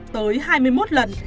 tới hai mươi một lần